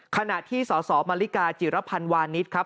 ขณะที่สสมาริกาจิรพันธ์วานิสครับ